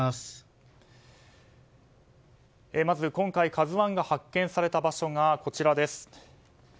まず、今回「ＫＡＺＵ１」が発見された場所がこちらです。